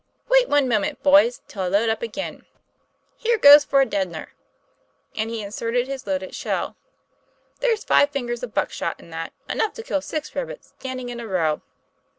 "Wait one moment, boys, till I load up again Here goes TOM PLAY FAIR. 229 for a deadner!" and he inserted his loaded shell. ' There's five fingers of buck shot in that, enough to kill six rabbits standing in a row."